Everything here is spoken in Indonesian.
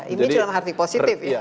ini cuma menghati positif ya